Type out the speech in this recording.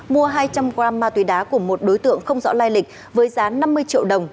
mua hai trăm linh g ma túy đá của một đối tượng không rõ lai lịch với giá năm mươi triệu đồng